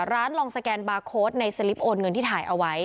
ลองสแกนบาร์โค้ดในสลิปโอนเงินที่ถ่ายเอาไว้